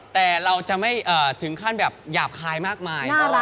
แต่เราจะไม่ว่าจะแบบถึงขั้นหยาบคายมากมาย